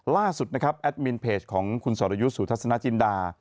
ล่าสุดนะครับแอดมินเพจของคุณสรยุทธ์สุทัศนจินดา